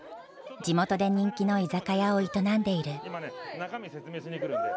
地元で人気の居酒屋を営んでいる。